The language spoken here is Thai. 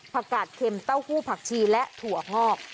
กาดเข็มเต้าหู้ผักชีและถั่วงอก